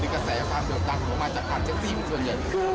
มันมาจากความเจ็กซี่มันส่วนใหญ่